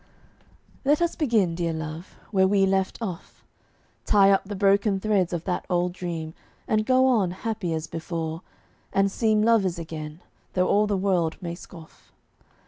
Let us begin, dear love, where we left off; Tie up the broken threads of that old dream, And go on happy as before, and seem Lovers again, though all the world may scoff.